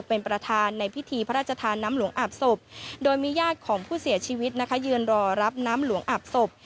เป็นประธานในพิธีพระราชทานน้ำหลวงอาบศพโดยมีญาติของผู้เสียชีวิตนะคะยืนรอรับน้ำหลวงอาบศพ